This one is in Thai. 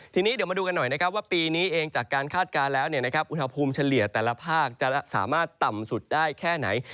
ทีนี้เดี๋ยวมาดูกันหน่อยนะครับว่าปีนี้เองจากการคาดการณ์แล้วอุณหภูมิเฉลี่ยแต่ละภาคจะสามารถต่ำสุดได้แค่ไหน